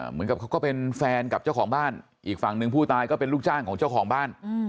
เหมือนกับเขาก็เป็นแฟนกับเจ้าของบ้านอีกฝั่งหนึ่งผู้ตายก็เป็นลูกจ้างของเจ้าของบ้าน